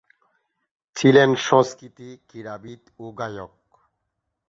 ছিলেন সংস্কৃতি, ক্রীড়াবিদ ও গায়ক।